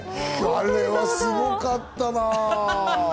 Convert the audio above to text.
あれすごかったな。